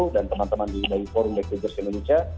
dan teman teman di forum backpackers indonesia